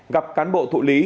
gặp cán bộ thụ lý